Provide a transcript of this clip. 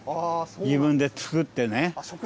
自分で作ってね。